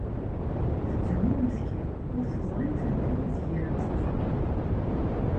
Tetthumumt kan, ur teẓrimt anda i teggaremt aḍar.